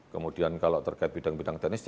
kemudian kalau terkait bidang bidang teknis